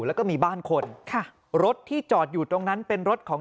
แล้วก็มีบ้านคนค่ะรถที่จอดอยู่ตรงนั้นเป็นรถของ